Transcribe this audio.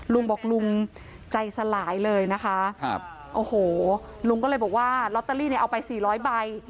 ลุงบอกลุงใจสลายเลยนะคะครับโอ้โหลุงก็เลยบอกว่าลอตเตอรี่เนี่ยเอาไปสี่ร้อยใบ